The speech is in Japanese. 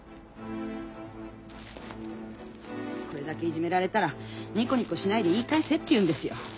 これだけいじめられたらニコニコしないで言い返せっていうんですよ。